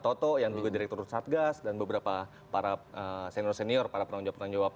toto yang juga direktur satgas dan beberapa para senior senior para penanggung jawab penanggung jawab